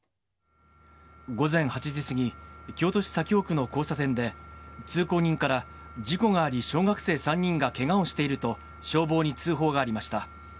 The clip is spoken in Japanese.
午前８時過ぎ、京都市左京区の交差点で、通行人から事故があり小学生３人がけがをしていると、消防に通報がありました。